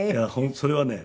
それはね